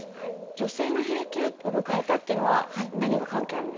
女性の「閉経を迎えた」というのは何が関係あるんですか？